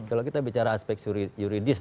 kalau kita bicara aspek yuridis